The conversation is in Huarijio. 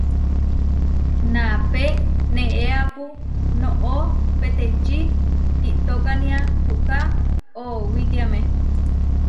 Napé neéapu noʼó peteči, iʼtokánia puʼká oʼowitiáme.